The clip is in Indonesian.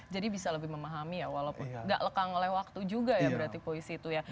bisa lebih memahami ya walaupun nggak lekang oleh waktu juga ya berarti puisi itu ya